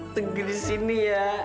tegur di sini ya